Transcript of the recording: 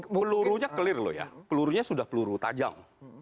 pelurunya clear loh ya pelurunya sudah peluru tajam